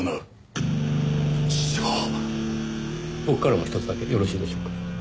僕からもひとつだけよろしいでしょうか？